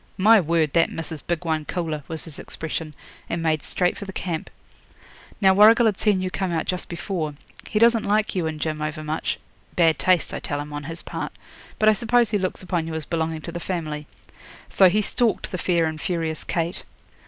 "My word, that missis big one coolah!" was his expression, and made straight for the camp. Now Warrigal had seen you come out just before. He doesn't like you and Jim over much bad taste, I tell him, on his part but I suppose he looks upon you as belonging to the family. So he stalked the fair and furious Kate.'